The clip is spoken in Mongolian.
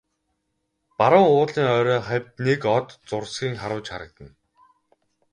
Баруун уулын орой хавьд нэг од зурсхийн харваж харагдана.